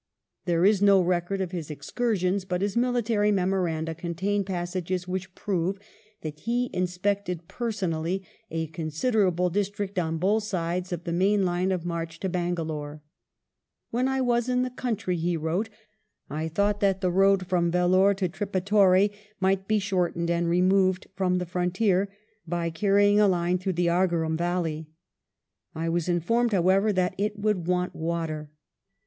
There is no record of his excursions, but his military memoranda contain passages which prove that he inspected personally a considerable district on both sides of the main line of march to Bangalore. "When I was in the country," he wrote, "I thought that the road from Vellore to Tripatore might be shortened and removed from the frontier by carrying a line through the Agarum valley. I was informed, however, that it would want water."